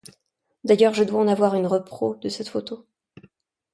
D’ailleurs je dois en avoir une repro, de cette photo.